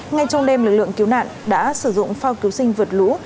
ngay trong đêm lực lượng cứu nạn đã sử dụng phao cứu sinh vượt lũ